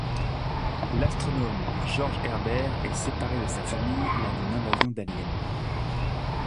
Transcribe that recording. L'astronome George Herbert est séparé de sa famille lors d'une invasion d'aliens.